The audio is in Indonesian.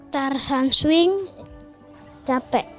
tarasan swing capek